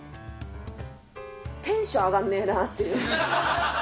テンション上がんねえなっていう。